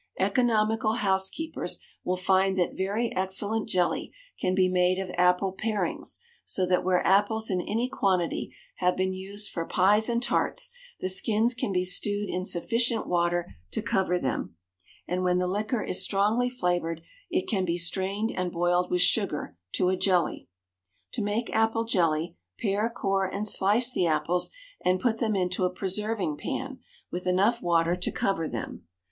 Economical housekeepers will find that very excellent jelly can be made of apple parings, so that where apples in any quantity have been used for pies and tarts the skins can be stewed in sufficient water to cover them, and when the liquor is strongly flavoured it can be strained and boiled with sugar to a jelly. To make apple jelly, pare, core and slice the apples and put them into a preserving pan with enough water to cover them.